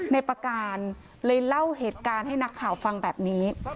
ในประการเลยเล่าเหตุการณ์ให้นักข่าวฟังแบบนี้